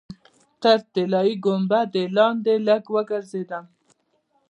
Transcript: تر طلایي ګنبدې لاندې لږ وګرځېدم.